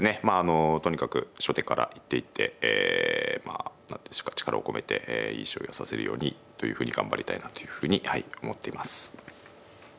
まああのとにかく初手から一手一手えまあ何でしょうか力を込めていい将棋が指せるようにというふうに頑張りたいなというふうに思っています。